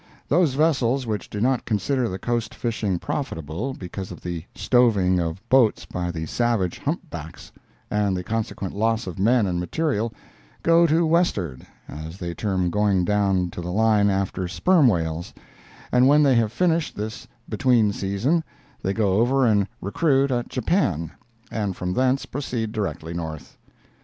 Those vessels which do not consider the coast fishing profitable, because of the "stoving" of boats by the savage hump backs and the consequent loss of men and material, go to "west'ard," as they term going down to the line after sperm whales; and when they have finished this "between season," they go over and "recruit" at Japan, and from thence proceed directly north.